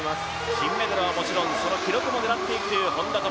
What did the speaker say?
金メダルはもちろんその記録も狙っていくという本多灯。